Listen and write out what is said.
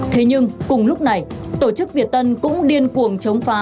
thế nhưng cùng lúc này tổ chức việt tân cũng điên cuồng